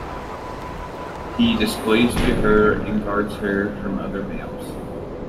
He displays to her and guards her from other males.